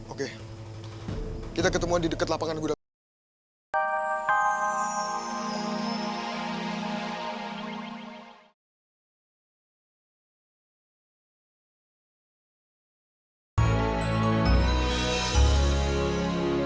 oke kita ketemuan di dekat lapangan gudang